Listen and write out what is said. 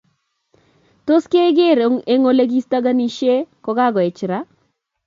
Tos keeger eng olekistaganishe kangoech ra?